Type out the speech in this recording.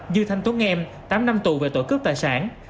dư thanh tuấn nghem tám năm tù về tội cướp tài sản